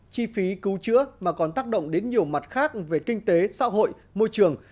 chi phí cứu chữa mà còn tác động đến nhiều mặt khác về kinh tế xã hội môi trường